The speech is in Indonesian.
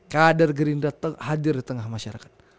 kader gerindra hadir di tengah masyarakat